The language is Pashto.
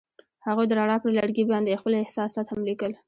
هغوی د رڼا پر لرګي باندې خپل احساسات هم لیکل.